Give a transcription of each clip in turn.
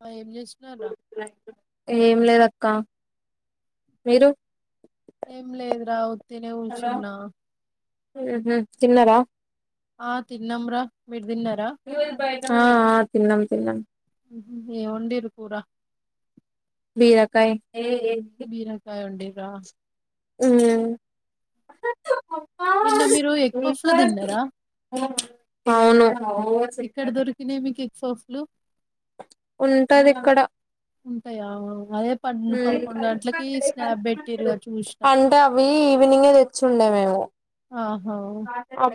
మరి ఏం చేస్ కున్నారా ఏం లేదక్క మీరు ఏం లేదు రా వుత్తినే కూసున్న ఉహ్ హు తిన్నారా ఆ తిన్నాం రా మీరు తిన్నారా ఆ ఆ తిన్నాం తిన్నాం ఏ వండిరు కూర బీరకాయి బీరకాయ ఉండి రా ఉమ్ నిన్న మీరు ఎగ్ పఫ్లు తిన్నారా అవును ఓ సెగ్ దాదా సో ఫ్లూ ఉంటది ఇక్కడ ఉంటాయా అదే ప పదకొండు గంటలకి స్నాప్ పెట్టిరుగా చూసిన అంటే అవి ఈవినింగే తెచ్చి ఉండే మేము ఆహా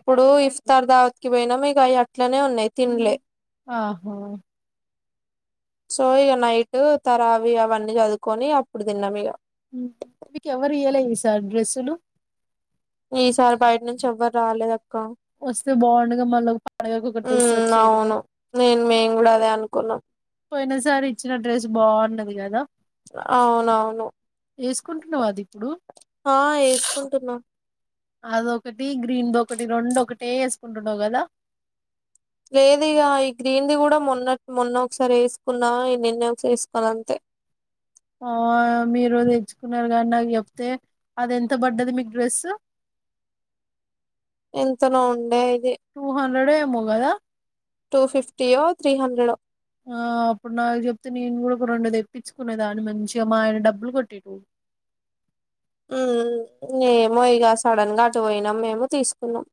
ఇప్పుడు ఇస్తార్ దావత్ కి పోయినం ఇగ అయి అట్లనే ఉన్నాయి తినలే ఆహా సో ఇగ నైట్ తరావి అవన్నీ చదువుకొని అప్పుడు తిన్నాం ఇగ తులు ఈసారి బయట నుంచి ఎవ్వరు రాలేద క్క వస్తే బాగుండగా మళ్ళీ పండగకు ఒక డ్రెస్ మ్మ్ వచ్చేదిగా అవును నేను మేము కూడా అదే అనుకున్నాం. పోయిన సారి ఇచ్చిన డ్రెస్ బాగున్నది కదా అవును అవును కుంటున్నావ అది ఇప్పుడు వేసుకుంటున్నా అదొకటి గ్రీన్ ది ఒకటి రెండు ఒకటే వేసుకుంటున్నావ్ కదా లేదు ఇగ ఈ గ్రీన్ది కూడా మొన్న మొన్న ఒకసారి వేసుకున్నా, ఈ నిన్న ఒకసారి వేసుకున్న అంతే, ఆ మీరు తెచ్చుకున్నారు కానీ నాకు చెప్తే అది ఎంత పడ్డది మీకు డ్రెస్స్. ఎంతనో ఉండేయ్ టూ హండ్రెడే మో గద టూ ఫిఫ్టీయో త్రీ హండ్రె డో ఆ అప్పుడు నాకు చెప్తే నేను కూడా ఒక రెండు తెప్పించుకునేదాన్ని మంచిగా మా ఆయన డబ్బులు కొట్టేటోడు. మ్మ్ ఏమో ఇగ సడన్ గా అటు పోయినాం మేము తీసుకున్నాం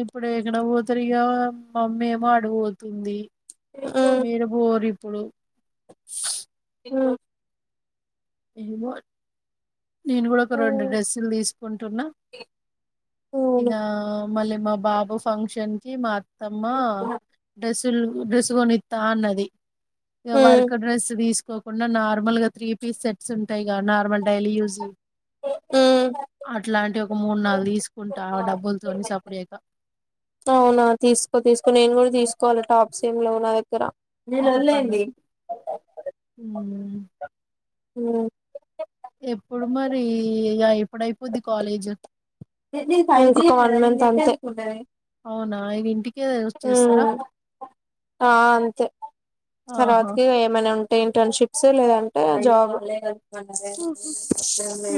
ఇప్పుడు ఎక్కడ పోతారీగా మమ్మీ ఏమో అడపోతుంది ఉమ్ మీరు బోరు ఇప్పుడు స్ హ్మ్ ఏమో నేను కూడ ఒక రెండు ఉమ్ డ్రెస్సులు తీసుకుంటున్నా అవును ఇగా మళ్ళీ మా బాబు ఫంక్షన్ కి మా తమ్మా డస్ తులు డ్రెస్ కొణిత్తా అన్నది ఇగ ఉమ్ వర్క డ్రెస్ తీస్ కోకుండ నార్మల్ గా త్రీ పీస్ సెట్ సుంటాయి గ నార్మల్ డైలీ యూస్ ఉమ్ అట్లాంటి ఒ ఒ మూడు నాలుగు తీసుకుంటా డబ్బులతోని సప్పుడయక అవునా తీసుకో తీసుకో నేను కూడ తీసుకోవాలి టాప్స్ ఏమి లేవు నా దగ్గర ఒక పను హ్మ్ హ్ హ్మ్ ఎప్పుడు మరి ఇగ ఎప్పుడు అయిపోద్ది కాలేజ్ గుడ్ నైట్ అవునా అయిదింటికి హ్మ్ ఆ అంతే ఆహా తర్వాతకి ఏమైనా ఉం ఇంటర్న్షిప్స్ లేదంటే జాబ్ ఉ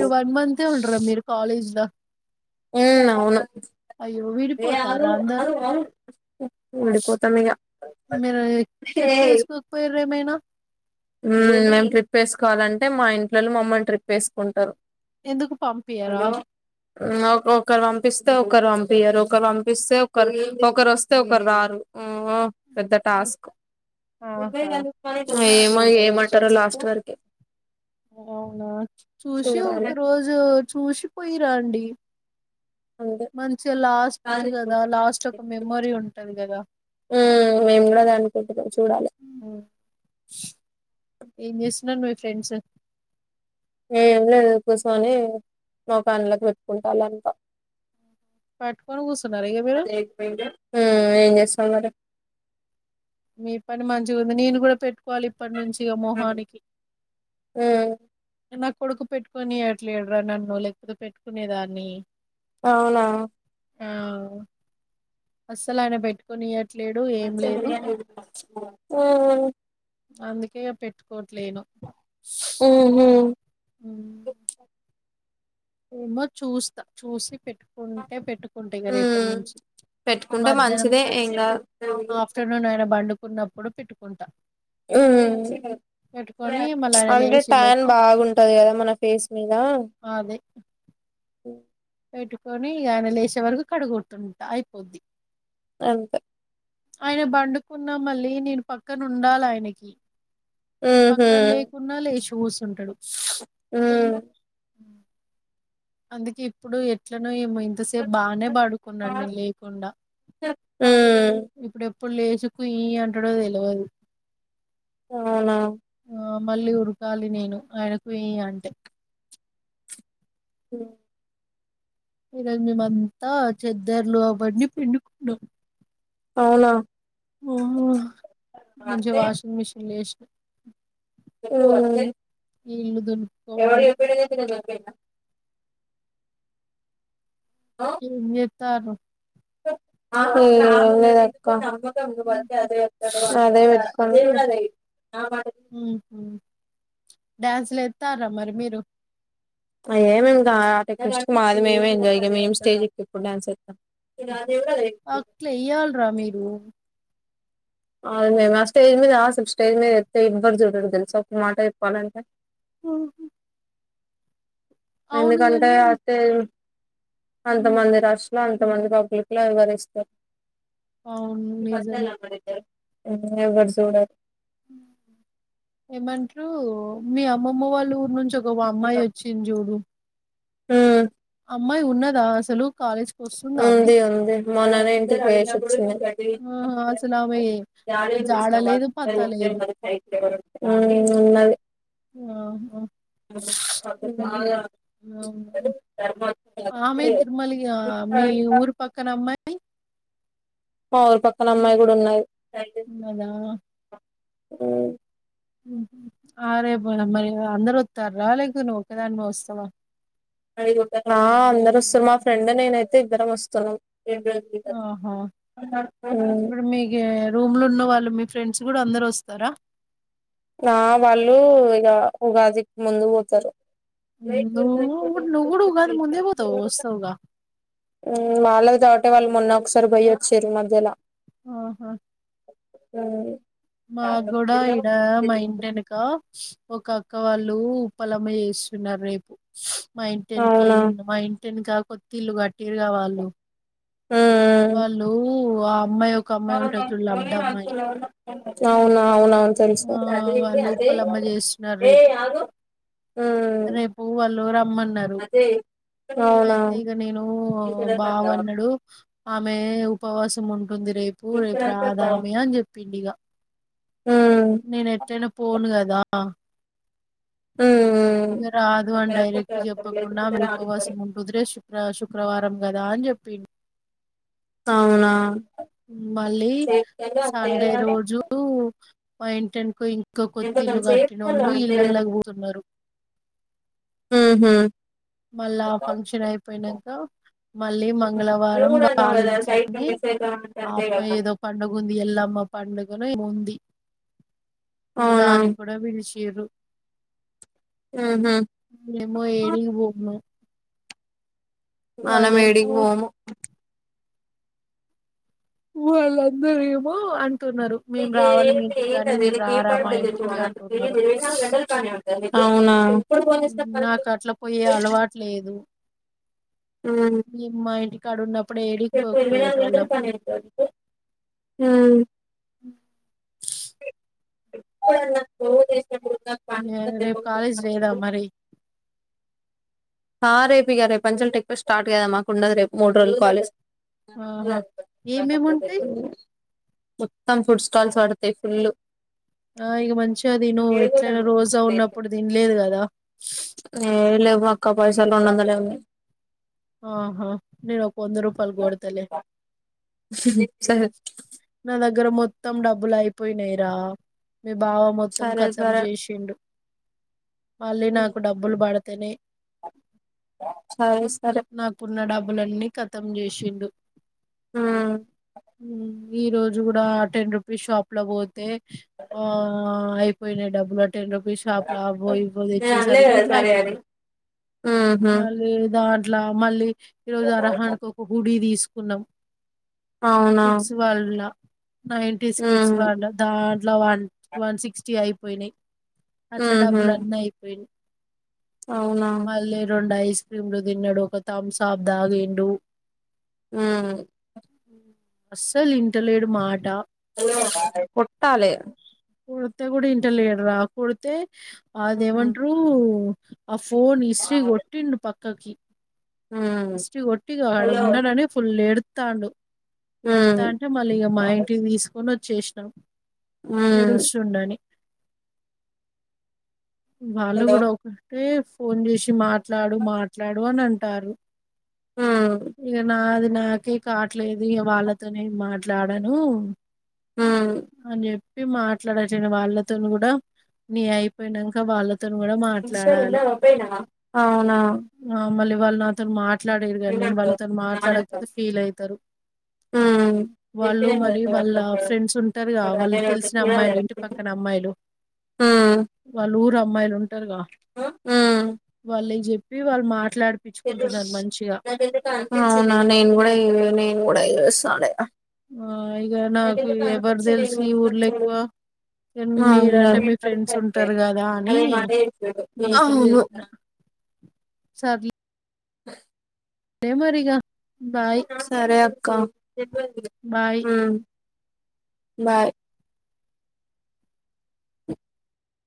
ఈ వన్ మంత్ ఉండరా మీరు కాలేజ్ లో ఉ అవును అయ్యో విడిపోతారా అందరు ఓడిపోతాము ఇంకా మీరు ట్రిప్ వేసుకోకపోయారు ఏమైనా మేము ట్రిప్ వేసుకోవాలంటే మా ఇంట్లో వాళ్ళు మమ్మల్ని ట్రిప్ వేసుకుంటారు. ఎందుకు పంపియరా ఇంకొకరు పంపిస్తే ఒకరు పంపియ్యరు ఒకరు పంపిస్తే ఒకరు ఒకరు వస్తే ఒకరు రారు. పెద్ద టాస్క్ ఆహా ఏ ఏమంటారో లాస్ట్ వరకి అవునా చూసి ఒక చూడాలి రోజు చూసిపోయిరాండి. అంతే మంచిగా లాస్ట్ కదా ఉమ్ లాస్ట్ ఒక మెమొరీ ఉంటది కదా మేము కూడా అదే అనుకుంటున్నాం చూడాలి ఏం చేసిన నువ్ ఫ్రెండ్స్ ఏమి లేదు కూర్చొని ముఖానికి పెట్టుకుంటా నా అంత పట్టుకొని కూర్చున్నారు ఇక మీరు అపోయి ఏం చేస్తా మరి మీ పని మంచిగ ఉంది నేను కూడా పెట్టుకోవాలి ఇప్పటి నుంచి మోహానికి ఉమ్ ఇందాక కొడుకు పెట్టుకొని ఇయట్లేదు రా నన్ను లేకపోతే పెట్టుకునేదాన్ని అవునా ఆ అస్సలు ఆయన పెట్టుకొనియడ్ ఆ అందుకే పెట్టు కోట్లేను ఉహు ఏమో చూస్తా చూసి పెట్టుకుంటే పెట్టుకుంటా ఇగ రేపటి ఉమ్ నుంచి పెట్టుకుంటే మధ్యాహ్నం మంచిదే ఏం కాదు ఆఫ్టర్నూన్ అయి బండుకు కున్నప్పుడు పెట్టుకుంటా ఊ పెట్టుకొని మళ్ళీ ఆయన అంటే లేచే ట్యాన్ లోపు బాగుంటది కదా మన ఫేస్ మీద అదే ఓ పెట్టుకొని ఇగ ఆయన లేచే వరకు కడుగుతుంట అయిపోద్ది అంతే ఆయన బండుకున్నా మళ్ళీ నేను పక్కనుండాలి ఆయనకి నేను ఉహు పక్కన లేకున్నా లేచిపో కూసుంటడు ఊమ్ అందుకే ఇప్పుడు ఎట్లనో ఏం ఇంతసేపు బాగానే బడుకున్నడు నేను లేకుండా ఉమ్ ఇప్పుడుప్పు ఇప్పుడు లేసుకు ఈ అంటడు తెల్వదు అవున ఆ మళ్ళీ ఉరకాలి నేను ఆయనకు ఈ అంటే హుమ్ ఈ రోజు మేమంతా చెద్దర్లు అవడ్ని అవున ఓహో మంచిగా వాషింగ్ మిషిన్లో వేసినాం ఉమ్ ఈ ఇళ్లు దిన్ ఎవరు ఎవడు ఇప్పుడేందకునా ఇగ్నా తాను అహు లేదాక్క అదేవ్ మమ్మీ కూడా అదే న బ ఊ డ్యాన్స్లు ఏత్తారా మరి మీరు అయే ఏం ఇంగ ఆట ఎక్ జస్ట్ మాది మేమే ఎంజాయ్ మేం స్టేజ్ ఎక్కి ఇప్పుడు డాన్స్ ఎత్తాం అట్లా వెయ్యాల్రా మీరు అ మేమ్ ఆ స్టేజ్ మీద అసలు స్టేజ్ మీద ఏస్తే ఎవ్వరు చూడరు తెలుసా ఒక్క మాటలో చెప్పాలంటే హు ఎందుకంటే అత్తయ్ అంతమంది రాష్ట్ ఇలా అంతమంది పబ్లిక్ లో ఎవరిస్త అవున్ నిజమే ఎవ్ ఎవ్వరు జూడ ఏమంట్రు మీ అమ్మమ్మ వాళ్ళ ఊర్ నుంచి ఒక ఇగొ ఓ అమ్మాయి వచ్చించి చూడు హువ్ అమ్మయి ఉన్నదా అసలు కాలేజ్కి వస్తుందా ఆమె ఉంది ఉంది మొన్ననే ఇంటికి పోయేసి వచ్చినా ఆహా అసలు ఆమె ఆమె జాడలేదు పత్తలేదు ఊ ఉన్నది ఆహా ఆమె తిరుమల ఇగా మీ ఊరు పక్కన అమ్మాయ్ మ ఊరి పక్కన అమ్మాయి కూడా ఉన్నది ఉన్నదా అ ఆహా ఆ రేపు మరి మళ్ళీ అందరత్తార్రా లేకుంటే నువ్వు ఒక్కదానివే వస్తవ ఆ అందరు వస్తున్రు మా ఫ్రెండ్ నేనైతే ఇద్దరం వస్తున్నాం. ఆహా ఇప్పుడు మీకు రూమ్లు ఉన్నవాళ్ళు మీ ఫ్రెండ్స్ కూడా అందరస్తరా ఆ వాళ్ళు ఇగ ఉగాదికి ముందు పోతరు. ఉగాదికి నువ్వు ముందు ఎందుకు నువ్వు కూడా ఉగాది ముందే పోతావు పోతారు వస్తావుగా ఆ వాళ్ళే అంటే వాళ్ళు మొన్న ఒకసారి పోయి వచ్చిర్రు మధ్యల ఆహా ఊ మాక్ గూడ ఈడ మా ఇంటెనుకా ఒక అక్క వాళ్ళు ఉప్పలమ్మ చేస్తున్నరు రేపు మా ఇంటెనెకే అవునా మా ఇం ఎనుకా కొత్తిల్లు గట్టిర్రుగా వాళ్ళు వాళ్ళూ వా అమ్మాయి ఒక అమ్మాయి ఉంటది చూడు లడ్డమ్మాయి అవునా అవునవును తెలుసు ఆ వాళ్ళు ఉప్పలమ్మ చేస్తున్నరు రేపు రేపు వాళ్ళు రమ్మన్నరు అవునా అయితే ఇగ నేనూ బావ అన్నడు ఆమె ఉపవాసం ఉంట టుంది రేపు రేపు రాదామె అని చెప్పిండు ఇగ హ్మ్ నేను ఎట్లైన పోనుగద దా అ హ్మ్ ఇగ రాదు అని డైరెక్ట్ చెప్పకుండా ఆమె ఉపవాసం ఉంటది రే శుక్ర శుక్రవారం కదా అని చెప్ప ప్పిండు అవునా మళ్ళీ హ్మ్ సండే రోజు మాయింటేనుకో ఇం ఇంకా కొత్తిళ్లు కట్టినోళ్ళు ఇళ్లలోకిపోతున్నారు. హు మళ్ళా ఆ ఫంక్షన్ అయిపోయినంక మళ్ళీ మంగళవారం పాలించనే ఆ అమ్మ ఏదో పండుగ ఉంది ఎల్లమ్మ పండుగనో ఏమో ఉంది. అవునా దానికి కూడా పిలిచి లేదో హ్మ్ హు ఏమో ఏడిగ్ బో అ మనమేడికి పోము ఊలా అందరిమో అ [inaudible] రారా మా ఇంటికి అంటున్నారు అవునా నాకు అట్ల పోయే అలవాటు లేదు హ్మ్ ఏమ్ మా ఇడి కడు [unintelligible] [inaudible] రేపు కాాలేజ్ లేడా హ్మ్ మరి రేపు ఇక రేపు అంచెలు ట ఎక్పోయి స్టార్ట్ కదామ్ మాకు ఉన్నది రేపు మూడు రోజులు కాలేజ్ [inaudible] ఆహా ఏమేమి ఉంటాయి మొత్తం ఫుడ్ స్టాల్స్ పడతాయి ఫుల్ ఆ ఇక మంచిగా తిను ఏం ఎట్లనా రోజా ఉన్నప్పుడు తినలేదు కదా ఎక్క పైసలు రెండు వందలే ఉనాయి ఆహా నేను ఒక వంద రూపాల్ కొడతలే సరే నా దగ్గర మొత్తం డబ్బులు అయిపోయినాయిరా మీ బావ మొత్తం సరే కతం సరే చేసిండు, మళ్ళీ నాకు డబ్బులు పడితేనే సరే సరే నాకున్న డబ్బులన్నీ కతం చే వచ్చిండు ఉ ఈ రోజు కూడా టెన్ రూపీస్ షాప్ లో పోతే ఆ అయిపోయినా డబ్బులు టెన్ రూపీస్ షాపులు అో ఇవ నేను అనలే తెచ్చేసరికి ఇ కదా సరే అని అయిపోయినాయి ఉహు మళ్ళీ దా అట్లా మళ్ళీ ఈరోజు హారాహణ కు ఒక హుడి తీసు పున్నాం అవునా కల్లా నైన్టీ ఉహు స్కిట్స్ వాళ్ల దాంట్లో వన్ వన్ సిక్స్టీ అయి పోయినయి అట్లా ఉహు డబ్బులు అన్ అయిపోయియి అవునా మల్లి రెండు అ ఐస్ క్రీమ్లు తిన్నడు ఒక థమ్ సాఫ్ దాగిండు హ్మ్ అస్సలు ఇంటలేడు మాట కొట్టాలి కొడితే కూడా ఇంట లేడురా కొడితే ఉ ఉ అదేమంట్రు ఆ ఫోన్ ఇసిరి కొట్టిండు పక్ తోకి ఇస్టీ కొటిగా ఆడ ఉన్నాడనే ఫుల్ ఏడు తాండు ఏడుత్తా ఉ అంటే మళ్ళీ ఇగ మా ఇంటికి తీసుకొనొ చేసినం ఏడుస్తుండని వాళ కూడా ఒక్కటే ఫోన్ చేసి మాట్లాడు మాట్లాడు అని అంటారు ఇగ నాది నాకే కావట్లేదు ఇగ వాళ్ళతోనే మాట్లాడాను ఉ ఉ అనే పి మాట్లాడచిన వాళ్ళతోని కూడా నీ అయిపోయినం కవాల అవునా ఆ మళ్ళీ వాళ్ళు నాతోని మా ట్లాడిరు కానీ నేను ఏమంటావ్ వాళ్ళతోని నానంటావ్ మాట్లాడకపోతే ఫీల్ ఐతారు ఉమ్ వాళ్ళు చెప్పినా కదా మరి నువ్వు వాళ్ళ అట్లా ఉంటావు ఫ్రెండ్స్ ఉంటారుగా వాళ్ళు అదే ఒకటి తెలిసిన చూడాలి అమ్మాయిలు ఇంటి వచ్చింది పక్కన అమ్మాయిలు ఉమ్ వాళ్ళు ఊరు అమ్మాయిలు ఉంటారు ఉమ్ వాళ్ళ్ నేను చెప్పి వాళ్ళు మా అవునా నేను కూడా ఇగ నేను కూడా ఈ రోస్ తాలే ఆ ఇక నాకు ఎవరు అనిపించింది ఈడు తెలిసి ఇ ఊర్లో మస్తోస్తాడు ఎక్కువ ఇగ అవును మీరంటే మీ ఫ్రెండ్స్ కదా ఉంటారు. కదా అని అదే మాట చెప్పిండు నీకే అవును చెప్పిన సర్ల్ ఏమోరిగా సరే అక్క ఆ బాయ్ బాయ్